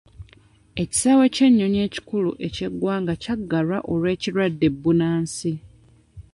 Ekisaawe ky'ennyonnyi ekikulu eky'eggwanga kyaggalwa olw'ekirwadde bbunansi.